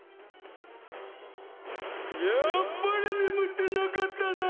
やっぱりねむってなかったな！